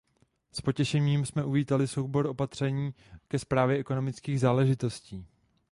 S potěšením jsme uvítali soubor opatření ke správě ekonomických záležitostí.